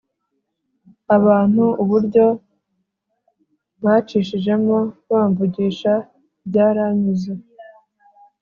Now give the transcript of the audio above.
Abantu uburyo bacishijemo bamvugisha byaranyuze